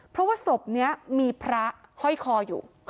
เพราะว่าศพนี้มีพระห้อยคออยู่